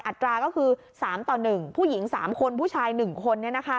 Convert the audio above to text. อัตราก็คือ๓ต่อ๑ผู้หญิง๓คนผู้ชาย๑คน